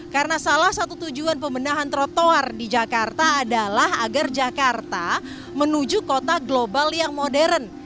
karena salah satu tujuan pembenahan trotoar di jakarta adalah agar jakarta menuju kota global yang modern